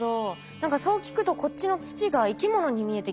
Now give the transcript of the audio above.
何かそう聞くとこっちの土が生き物に見えてきました。